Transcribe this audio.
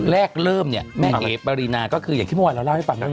แรกเริ่มเนี่ยแม่เอ๋ปุ๊บในก็คือเห็นที่มองอร่อยท่าให้แปบกลับ